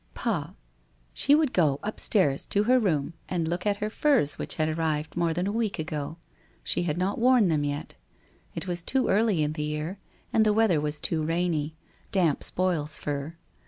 ... Pah ! She would go, upstairs, to her room and look at her furs which had arrived more than a week ago. She had not worn them yet. It was too early in the year, and the weather was too rainy. Damp spoils fur.